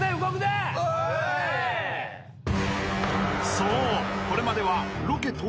［そう］